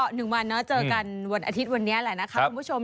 ใช่ค่ะก็๑วันเจอกันวันอาทิตย์วันนี้แหละค่ะคุณผู้ชม